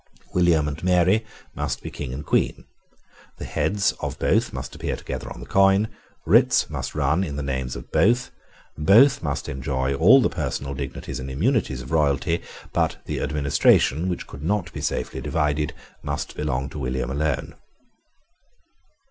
William and Mary must be King and Queen. The heads of both must appear together on the coin: writs must run in the names of both: both must enjoy all the personal dignities and immunities of royalty: but the administration, which could not be safely divided, must belong to William alone.